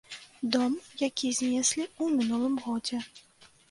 Дом, які знеслі ў мінулым годзе.